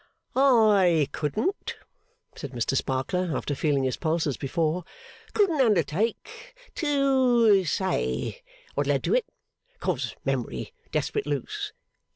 'I couldn't,' said Mr Sparkler, after feeling his pulse as before, 'couldn't undertake to say what led to it 'cause memory desperate loose.